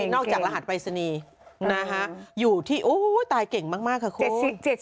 นอกจากรหัสไปรษณีย์อยู่ที่อู้ตายเก่งมากค่ะโค้ง